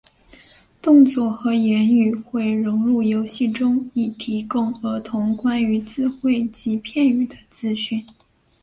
动作和言语会融入游戏中以提供儿童关于字汇及片语的资讯。